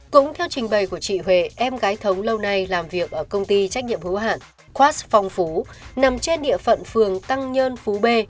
cũng theo trình bày của chị huệ em gái thống lâu nay làm việc ở công ty trách nhiệm hữu hạn kass phong phú nằm trên địa phận phường tăng nhân phú b